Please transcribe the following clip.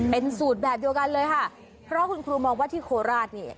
เป็นสูตรแบบเดียวกันเลยค่ะเพราะคุณครูมองว่าที่โคราชเนี่ย